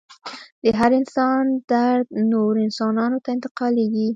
د هر انسان درد نورو انسانانو ته انتقالیږي.